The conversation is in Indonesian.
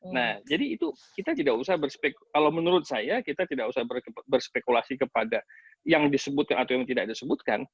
nah jadi itu kita tidak usah berspekulasi kalau menurut saya kita tidak usah berspekulasi kepada yang disebutkan atau yang tidak disebutkan